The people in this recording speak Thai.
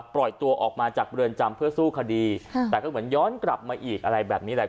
ปล่อยตัวออกมาจากเรือนจำเพื่อสู้คดีแต่ก็เหมือนย้อนกลับมาอีกอะไรแบบนี้แหละ